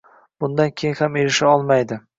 Bundan keyin ham erisha olmaydi.